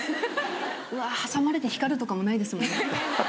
うわ挟まれて光るとかもないですもんね。